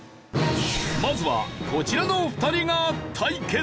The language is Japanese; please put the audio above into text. まずはこちらの２人が対決。